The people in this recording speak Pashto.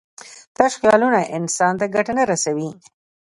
تش خیالونه انسان ته ګټه نه رسوي.